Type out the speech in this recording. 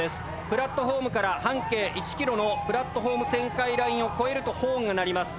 プラットホームから半径１ｋｍのプラットホーム旋回ラインを越えるとホーンが鳴ります。